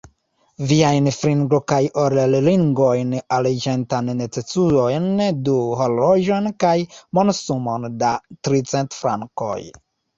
Viajn fingro- kaj orel-ringojn, arĝentan necesujon, du horloĝojn kaj monsumon da tricent frankoj.